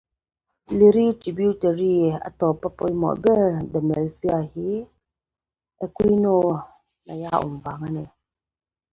The last important Liri's tributary is the Melfa, with which it joins near Aquino.